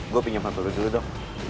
gue pinjamkan dulu dong